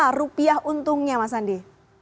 berapa rupiah untungnya mas andi